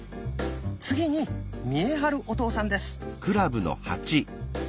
次に見栄晴お父さんです。